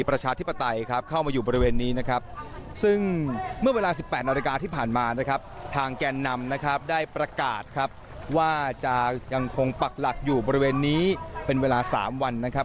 ประชาธิปไตยครับเข้ามาอยู่บริเวณนี้นะครับซึ่งเมื่อเวลา๑๘นาฬิกาที่ผ่านมานะครับทางแกนนำนะครับได้ประกาศครับว่าจะยังคงปักหลักอยู่บริเวณนี้เป็นเวลา๓วันนะครับ